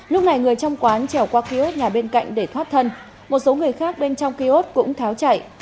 lúc này người trong quán trèo qua kiosk nhà bên cạnh để thoát thân một số người khác bên trong kiosk cũng tháo chạy